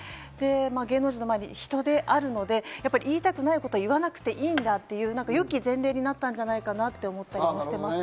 芸能人の前に人であるので、いいたくないことはいわなくていいんだという良き前例になったんじゃないかなと思っています。